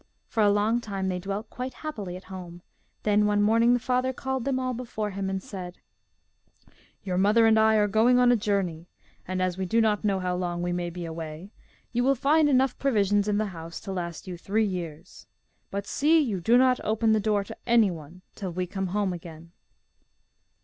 For a long time they dwelt quite happily at home together, then one morning the father called them all before him and said: 'Your mother and I are going on a journey, and as we do not know how long we may be away, you will find enough provisions in the house to last you three years. But see you do not open the door to anyone till we come home again.